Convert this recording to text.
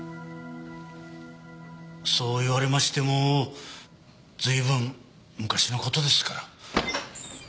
そう言われましても随分昔の事ですから。